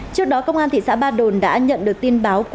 trước đó công an thị xã ba đồn đã nhận được tin báo